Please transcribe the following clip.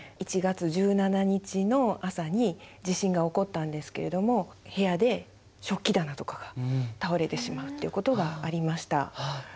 １月１７日の朝に地震が起こったんですけれども部屋で食器棚とかが倒れてしまうっていうことがありました。